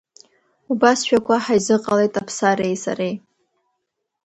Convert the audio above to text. Убасшәақәа ҳаизыҟалеит Аԥсареи сареи.